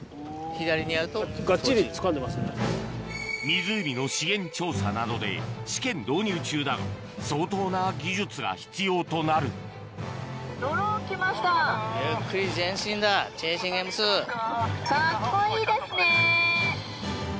湖の資源調査などで試験導入中だが相当な技術が必要となると！